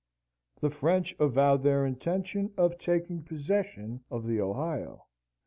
The French avowed their intention of taking possession of the Ohio.